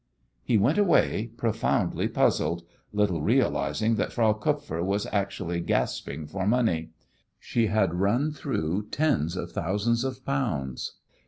He went away profoundly puzzled, little realizing that Frau Kupfer was actually gasping for money. She had run through tens of thousands of pounds.